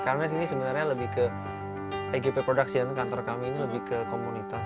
karena sini sebenarnya lebih ke egp productions kantor kami ini lebih ke komunitas